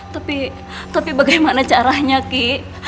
tapi tapi bagaimana caranya ki